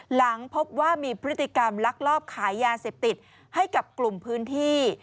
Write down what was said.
หลังพบว่ามีพฤติกรรมลักลอบขายยาเสพติดให้กับกลุ่มพื้นที่